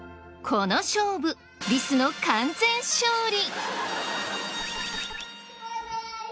この勝負リスの完全勝利。